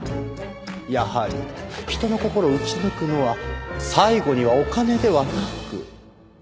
やはり人の心を打ち抜くのは最後にはお金ではなく。